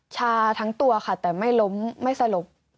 ชาทั้งตัวค่ะแต่ไม่ล้มไม่สลบ